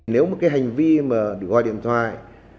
nếu một cái hành vi mà bị gọi điện thoại